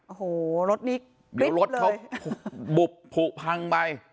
โอ้โหรถนี้เดี๋ยวรถเขาบุบผูกพังไป